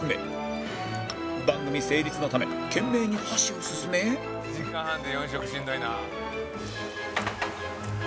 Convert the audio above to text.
番組成立のため懸命に箸を進め「１時間半で４食しんどいな」